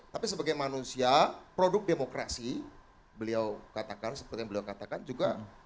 tapi sebagai manusia produk demokrasi beliau katakan seperti yang beliau katakan juga